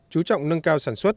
chú trọng nâng cao sản xuất